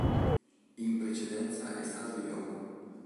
In precedenza è stato "Yahoo!